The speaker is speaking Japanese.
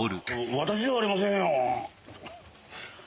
私じゃありませんよ。